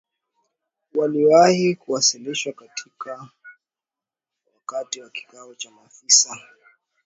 “Waliwahi kuwasilishwa wakati wa kikao cha maafisa wa ujasusi kati ya Jamuhuri ya Kidemokrasia ya Congo na Rwanda"